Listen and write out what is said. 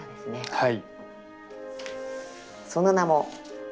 はい。